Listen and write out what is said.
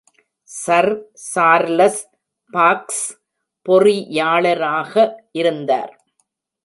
Sir Charles Fox பொறியாளராக இருந்தார்.